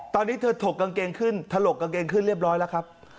ตอนนี้เธอถกกางเกงขึ้นถลกกางเกงขึ้นเรียบร้อยแล้วครับ